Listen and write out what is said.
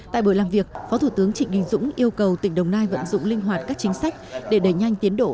tại buổi làm việc phó thủ tướng trịnh đình dũng yêu cầu tỉnh đồng nai vận dụng linh hoạt các chính sách để đẩy nhanh tiến độ